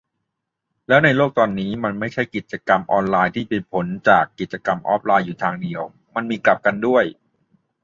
แล้วในโลกตอนนี้ มันไม่ใช่ กิจกรรมออนไลน์เป็นผลจากกิจกรรมออฟไลน์อยู่ทางเดียว มันมีกลับกันด้วย